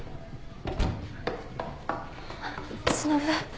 しのぶ。